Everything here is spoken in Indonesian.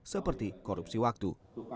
seperti korupsi waktu